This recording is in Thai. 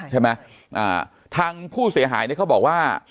ทางผู้เสียหายเนี่ยเขาบอกว่า